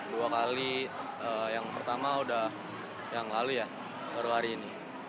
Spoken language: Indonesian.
dua kali yang pertama udah yang lalu ya baru hari ini